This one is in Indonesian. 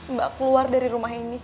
mbak keluar dari rumah ini